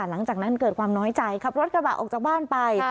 หลังจากนั้นเกิดความน้อยใจขับรถกระบะออกจากบ้านไป